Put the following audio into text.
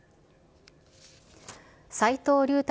斎藤竜太